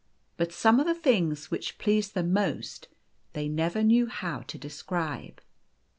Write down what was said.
But some of the things which pleased them most they never knew how to describe.